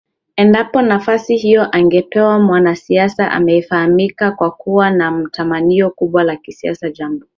Endapo nafasi hiyo angepewa mwanasiasa anayefahamika kwa kuwa na matamanio makubwa ya kisiasa jambo